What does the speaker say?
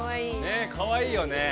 ねえかわいいよね。